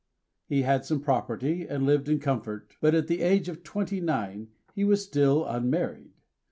He had some property, and lived in comfort; but at the age of twenty nine he was still unmarried.